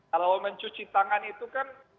kalau mencuci tangan itu kan